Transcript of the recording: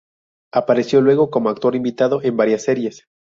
Apareció luego como actor invitado en varias series.